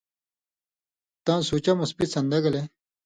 تاں سُوچہ مثبت سن٘دہ گلے